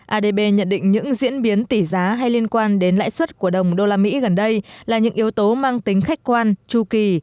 adb nhận định những diễn biến tỷ giá hay liên quan đến lãi suất của đồng đô la mỹ gần đây là những yếu tố mang tính khách quan tru kỳ